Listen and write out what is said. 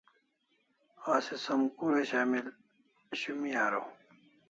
Asi som kura shumi araw?